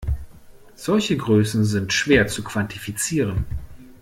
Solche Größen sind schwer zu quantifizieren.